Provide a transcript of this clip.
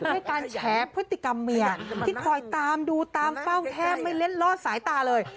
ด้วยการแฉพฤติกรรมเมียที่คอยตามดูตามเฝ้าแทบไม่เล่นลอดสายตาเลย